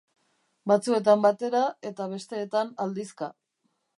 Batzuetan batera eta besteetan aldizka.